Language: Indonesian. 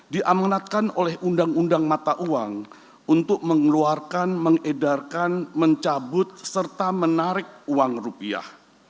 diamanatkan oleh undang undang mata uang untuk mengeluarkan mengedarkan mencabut serta menarik uang rupiah